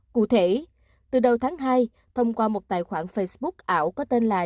cụ thể từ đầu tháng hai thông qua một tài khoản facebook ảo có tên là